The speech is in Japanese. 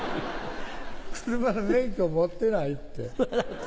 車の免許持ってないって。